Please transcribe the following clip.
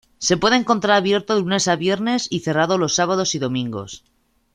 Se puede encontrar abierto de lunes a viernes y cerrado los sábados y domingos.